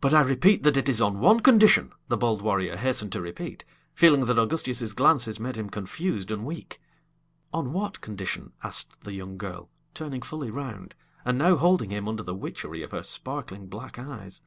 "But I repeat that it is on one condition," the bold warrior hastened to repeat, feeling that Augustias's glances made him confused and weak. "On what condition?" asked the young girl, turning fully round, and now holding him under the witchery of her sparkling black eyes.